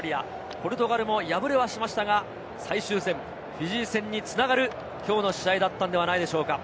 ポルトガルも敗れはしましたが、最終戦フィジー戦につながるきょうの試合だったんではないでしょうか。